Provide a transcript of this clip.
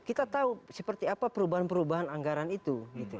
kita tahu seperti apa perubahan perubahan anggaran itu